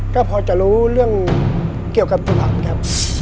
ก็พอจะรู้เรื่องเกี่ยวกับสุพรรณครับ